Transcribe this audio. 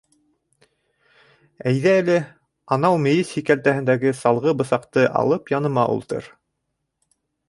Әйҙә әле, анау мейес һикәлтәһендәге салғы бысаҡты алып яныма ултыр.